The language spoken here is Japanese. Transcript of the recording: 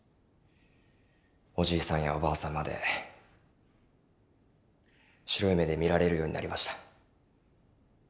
おじいさんやおばあさんまで白い目で見られるようになりました。